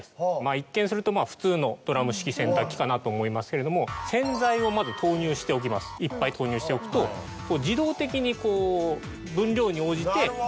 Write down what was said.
一見すると普通のドラム式洗濯機と思いますけれども洗剤をまず投入しておきますいっぱい投入しておくと自動的に分量に応じて。